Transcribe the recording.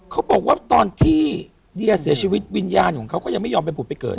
เขาบอกว่าตอนที่เดียเสียชีวิตวิญญาณของเขาก็ยังไม่ยอมไปผุดไปเกิด